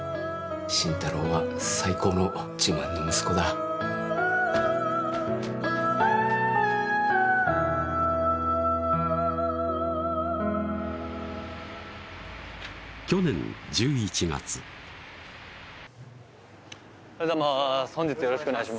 慎太郎は最高の自慢の息子だ去年１１月おはようございます